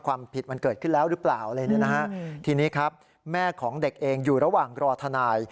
ความผิดมันเกิดขึ้นแล้วหรือเปล่าอะไรเนี่ยนะฮะทีนี้ครับแม่ของเด็กเองอยู่ระหว่างรอทนาย